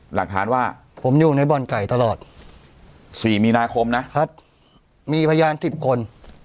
หลักฐานว่าผมอยู่ในบ่อนไก่ตลอด๔มีนาคมนะครับมีพยาน๑๐คน